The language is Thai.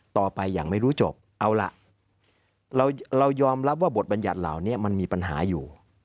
ต่อไปอย่างไม่รู้จบเอาล่ะเรายอมรับว่าบทบัญญัติเหล่านี้มันมีปัญหาอยู่